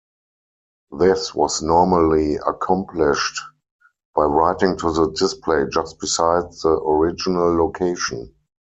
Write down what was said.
This was normally accomplished by writing to the display just beside the original location.